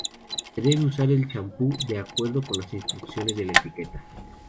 Se debe usar el champú de acuerdo con las instrucciones de la etiqueta.